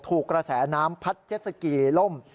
กระแสน้ำพัดเจ็ดสกีล่ม